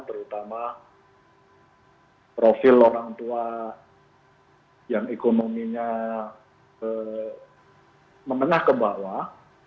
terutama profil orang tua yang ekonominya menengah ke bawah